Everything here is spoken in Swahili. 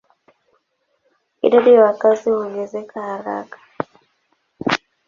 Idadi ya wakazi huongezeka haraka.